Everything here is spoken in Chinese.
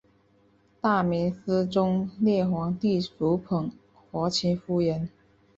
大明思宗烈皇帝独宠华清夫人。